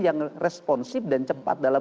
yang responsif dan cepat dalam